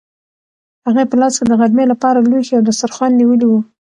هغې په لاس کې د غرمې لپاره لوښي او دسترخوان نیولي وو.